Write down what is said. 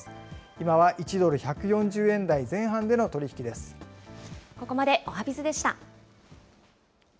今は１ドル１４０円台前半での取ここまでおはＢｉｚでした。